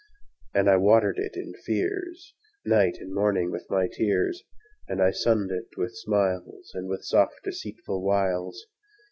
And I watered it in fears Night and morning with my tears, And I sunnèd it with smiles And with soft deceitful wiles.